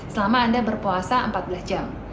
selama anda berpuasa empat belas jam